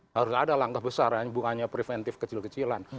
harusnya ada langkah besar bukan hanya preventif kecil kecilan